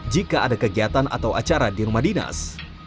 jika ada kegiatan atau acara di rumah dinas